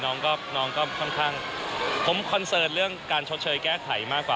น้องก็น้องก็ค่อนข้างผมคอนเสิร์ตเรื่องการชดเชยแก้ไขมากกว่า